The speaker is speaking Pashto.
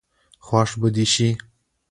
خوښ به دي شي.